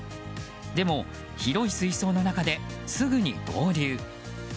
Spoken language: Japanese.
でも、広い水槽の中ですぐに合流。